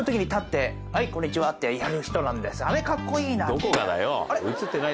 どこがだよ。